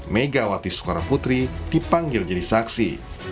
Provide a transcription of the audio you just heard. megawati soekarnoputri dipanggil jadi saksi